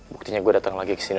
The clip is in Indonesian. buktinya gue dateng lagi kesini